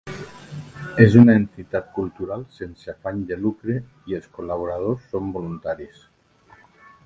És una entitat cultural sense afany de lucre i els col·laboradors són voluntaris.